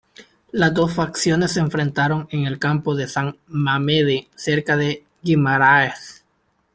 Las dos facciones se enfrentaron en el campo de San Mamede, cerca de Guimarães.